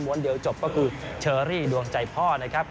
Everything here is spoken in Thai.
เดียวจบก็คือเชอรี่ดวงใจพ่อนะครับ